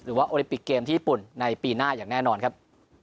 โอลิปิกเกมที่ญี่ปุ่นในปีหน้าอย่างแน่นอนครับ